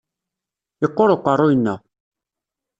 Yeqqur uqerruy-nneɣ.